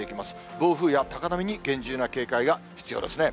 暴風や高波に厳重な警戒が必要ですね。